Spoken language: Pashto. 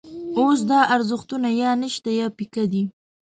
اوس دا ارزښتونه یا نشته یا پیکه دي.